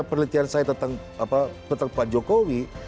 penelitian saya tentang pak jokowi